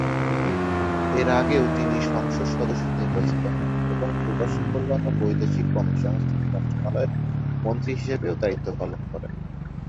এর আগেও তিনি সংসদ সদস্য নির্বাচিত হন এবং প্রবাসী কল্যাণ ও বৈদেশিক কর্মসংস্থান মন্ত্রণালয়ের মন্ত্রী হিসেবেও দায়িত্ব পালন করেন।